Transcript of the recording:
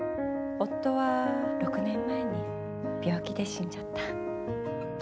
夫は６年前に病気で死んじゃった。